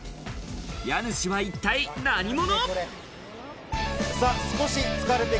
家主は一体何者？